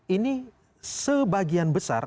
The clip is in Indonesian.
ini sebagian besar